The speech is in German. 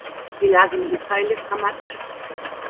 Die Lage in Israel ist dramatisch.